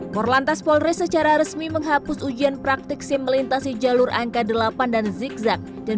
por lantas polres secara resmi menghapus ujian praktik simulintasi jalur angka delapan dan zigzag dan